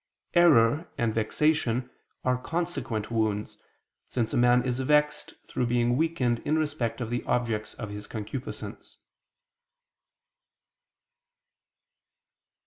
"Error" and "vexation" are consequent wounds, since a man is vexed through being weakened in respect of the objects of his concupiscence.